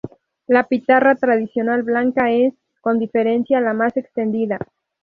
La pitarra tradicional blanca es, con diferencia, la más extendida.